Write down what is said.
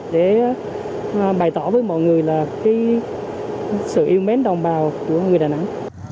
để bày tỏ với mọi người là sự yêu mến đồng bào của người đà nẵng